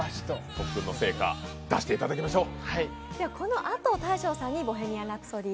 特訓の成果を出してもらいましょう。